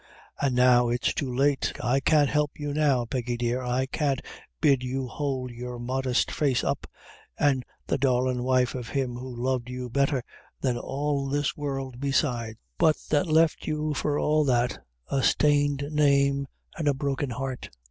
An' now it's too late, I can't help you now, Peggy dear. I can't bid you hould your, modest face up, as the darlin' wife of him who loved you betther than all this world besides, but that left you, for all that a stained name an' a broken heart!